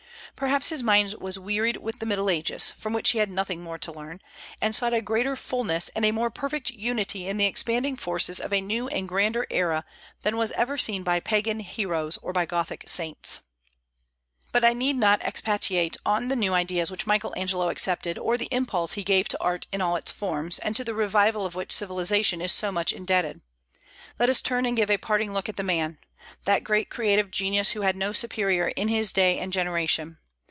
Perhaps his mind was wearied with the Middle Ages, from which he had nothing more to learn, and sought a greater fulness and a more perfect unity in the expanding forces of a new and grander era than was ever seen by Pagan heroes or by Gothic saints. But I need not expatiate on the new ideas which Michael Angelo accepted, or the impulse he gave to art in all its forms, and to the revival of which civilization is so much indebted. Let us turn and give a parting look at the man, that great creative genius who had no superior in his day and generation.